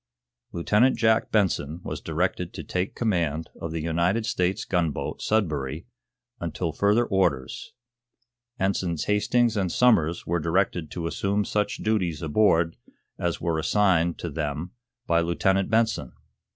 Lieutenant Jack Benson was directed to take command of the United States gunboat, 'Sudbury,' until further orders. Ensigns Hastings and Somers were directed to assume such duties aboard as were assigned to them by Lieutenant Benson.